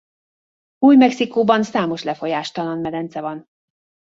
Új-Mexikóban számos lefolyástalan medence van.